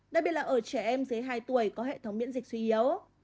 đặc biệt là ở trẻ em dưới hai tuổi có hệ thống miễn dịch suy yếu